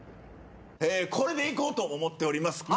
これでいこうと思っております。